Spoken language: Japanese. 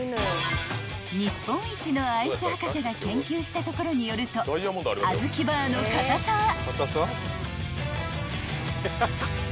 ［日本一のアイス博士が研究したところによるとあずきバーの硬さは］